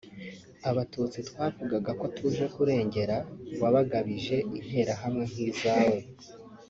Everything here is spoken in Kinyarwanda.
Abatutsi twavugaga ko tuje kurengera wabagabije Interahamwe nkizawe